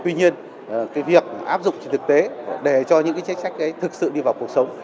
tuy nhiên việc áp dụng thực tế để cho những chính sách thực sự đi vào cuộc sống